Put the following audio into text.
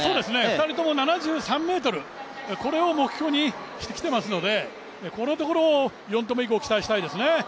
２人とも７３ｍを目標にしてきてますので、これを４投目以降期待したいですね